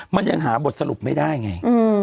มันยังหาบทสรุปไม่ได้ไง